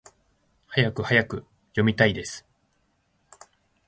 はやくはやく！読みたいです！